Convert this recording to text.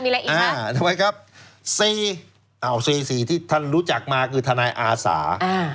มีอะไรอีกครับอ่าทำไมครับสี่อ่าสี่สี่ที่ท่านรู้จักมาคือทนายอาสา